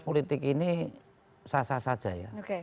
politik ini sasar saja ya